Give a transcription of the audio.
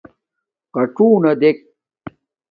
قڅُونݳ دݵک.